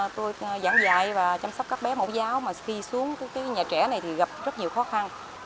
tôi giảng dạy và chăm sóc các bé mẫu giáo mà khi xuống nhà trẻ này thì gặp rất nhiều khó khăn